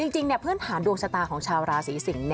จริงเนี่ยเพื่อนฐานดวงชาตาของชาวราศรีสิง